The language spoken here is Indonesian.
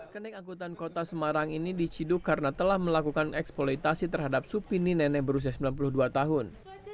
kenek angkutan kota semarang ini diciduk karena telah melakukan eksploitasi terhadap supini nenek berusia sembilan puluh dua tahun